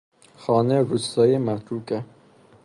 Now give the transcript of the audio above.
خانه روستایی متروکه